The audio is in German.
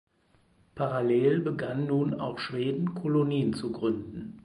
Parallel begann nun auch Schweden Kolonien zu gründen.